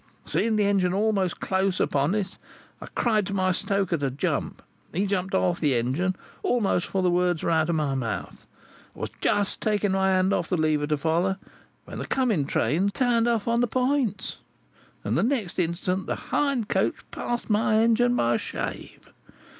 Seeing the engine almost close upon us, I cried to my stoker to jump. He jumped off the engine, almost before the words were out of my mouth. I was just taking my hand off the lever to follow, when the coming train turned off on the points, and the next instant the hind coach passed my engine by a shave.